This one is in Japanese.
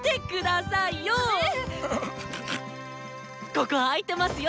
ここあいてますよ！